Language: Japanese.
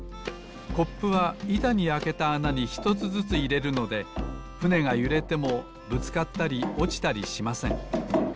コップはいたにあけたあなにひとつずついれるのでふねがゆれてもぶつかったりおちたりしません。